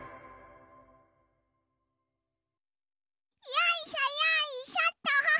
よいしょよいしょっと。